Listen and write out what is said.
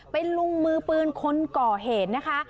เป็นลุงมือปืนคนก่อเหตุนะคะ